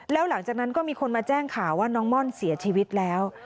แล้วหลังจากนั้นก็มีคนมาแจ้งข่าวว่าน้องม่อนเสียชีวิตแล้ว